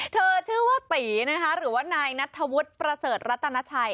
เธอชื่อว่าตีนะคะหรือว่านายนัทธวุฒิประเสริฐรัตนาชัย